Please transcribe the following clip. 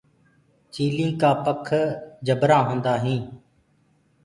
چيِلي ڪآ پک جبرآ هيندآ هينٚ۔